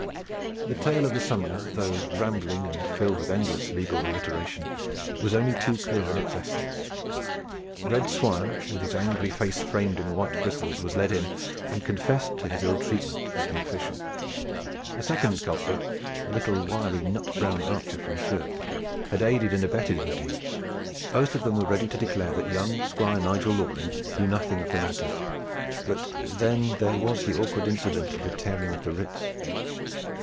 The tale of the summoner, though rambling and filled with endless legal reiteration, was only too clear in its essence. Red Swire, with his angry face framed in white bristles, was led in, and confessed to his ill treatment of the official. A second culprit, a little wiry nut brown archer from Churt, had aided and abetted in the deed. Both of them were ready to declare that young Squire Nigel Loring knew nothing of the matter. But then there was the awkward incident of the tearing of the writs.